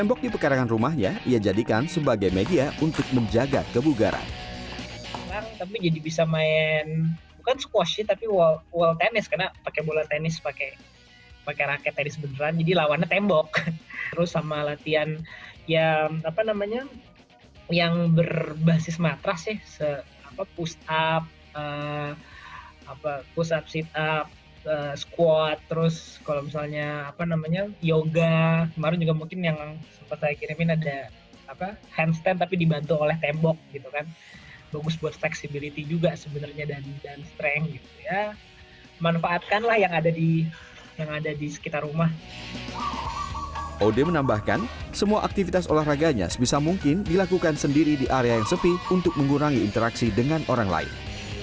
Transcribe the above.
odeh menambahkan semua aktivitas olahraganya sebisa mungkin dilakukan sendiri di area yang sepi untuk mengurangi interaksi dengan orang lain